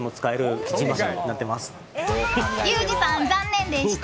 ユージさん、残念でした。